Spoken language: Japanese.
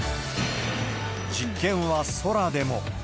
実験は空でも。